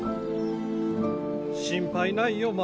心配ないよ